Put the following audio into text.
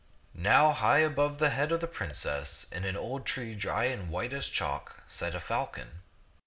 Now high above the head of the princess, in an old tree dry and white as chalk, sat a falcon.